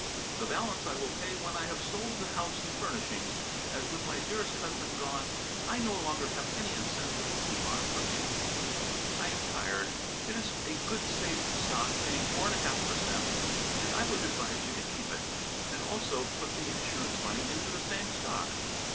The balance I will pay when I have sold the house and furnishings, as with my dearest husband gone I no longer have any incentive to keep on working. I am tired. It is a good safe stock paying 4 1/2 per cent. and I would advise you to keep it and also put the Ins. money into the same stock.